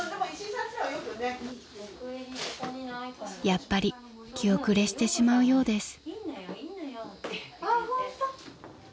［やっぱり気後れしてしまうようです］